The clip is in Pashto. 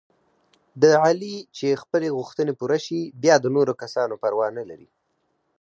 د علي چې خپلې غوښتنې پوره شي، بیا د نورو کسانو پروا نه لري.